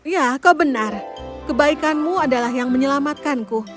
ya kau benar kebaikanmu adalah yang menyelamatkanku